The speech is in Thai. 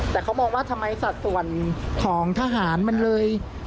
แต่เขามองว่าทำไมสัดส่วนของทหารมันเลย